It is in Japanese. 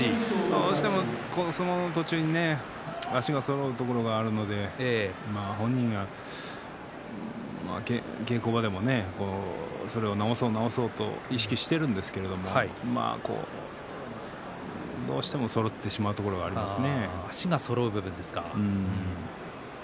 どうしても相撲の途中に足がそろうところがあるので本人が稽古場でそれを直そう直そうと意識しているんですけれどどうしてもそろってしまう足がそろう部分ですか。